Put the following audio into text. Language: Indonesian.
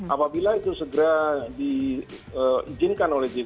apabila itu segera diizinkan oleh jpu